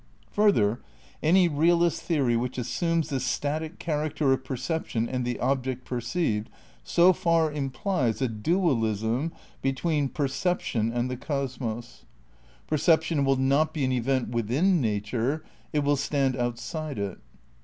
Further, any realist theory which assumes this static character of perception and the object perceived so far implies a dualism between perception and the cosmos. 82 THE NEW IDEALISM in Perception "will not be an event within nature ; it will stand outside it.